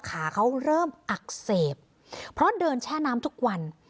ขาเขาเริ่มอักเสบเพราะเดินแช่น้ำทุกวัน